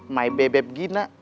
my bebeb gina